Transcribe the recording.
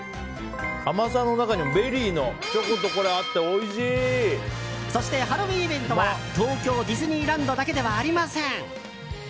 甘さの中にもベリーがチョコと合ってそしてハロウィーンイベントは東京ディズニーランドだけではありません。